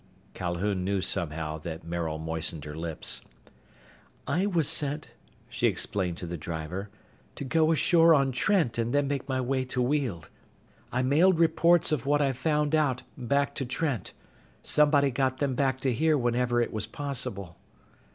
Calhoun knew, somehow, that Maril moistened her lips. "I was sent," she explained to the driver, "to go ashore on Trent and then make my way to Weald. I mailed reports of what I found out back to Trent. Somebody got them back to here whenever it was possible."